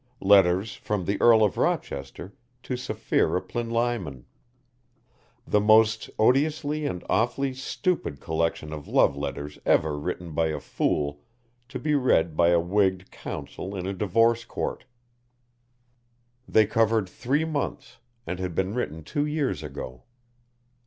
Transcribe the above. Letters from the Earl of Rochester to Sapphira Plinlimon. The most odiously and awfully stupid collection of love letters ever written by a fool to be read by a wigged counsel in a divorce court. They covered three months, and had been written two years ago.